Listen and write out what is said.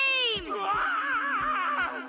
うわ！